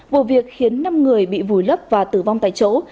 vụ việc khiến năm người bị vùi lấp và tử vong tại chỗ